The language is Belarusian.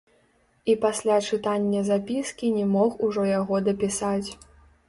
І пасля чытання запіскі не мог ужо яго дапісаць.